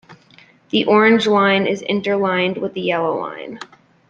The Orange Line is interlined with the Yellow Line.